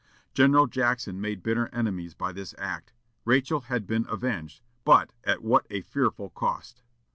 General Jackson made bitter enemies by this act. Rachel had been avenged, but at what a fearful cost!